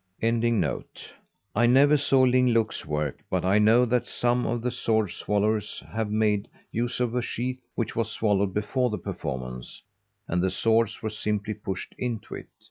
I never saw Ling Look's work, but I know that some of the sword swallowers have made use of a sheath which was swallowed before the performance, and the swords were simply pushed into it.